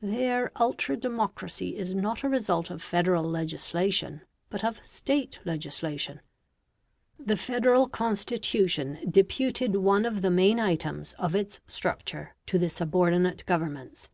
Their ultra democracy is not a result of Federal legislation, but of State legislation. The Federal Constitution deputed one of the main items of its structure to the subordinate governments.